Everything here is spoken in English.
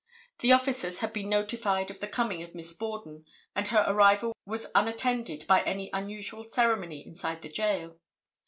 The officers had been notified of the coming of Miss Borden, and her arrival was unattended by any unusual ceremony inside the jail.